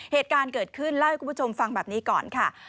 เหตุการณ์เกิดขึ้นเล่าให้คุณผู้ชมฟังแบบนี้ก่อนค่ะ